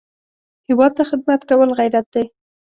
هېواد ته خدمت کول غیرت دی